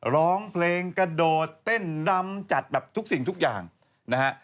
ร้องเพลงกระโดดเต้นดำจัดแบบทุกสิ่งทุกอย่างนะฮะ